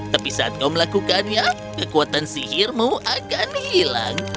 tapi saat kau melakukannya kekuatan sihirmu akan hilang